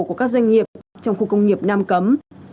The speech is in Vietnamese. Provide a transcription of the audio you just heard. của các doanh nghiệp trong khu công nghiệp nam cấm